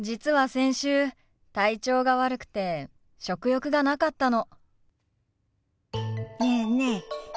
先週体調が悪くて食欲がなかったの。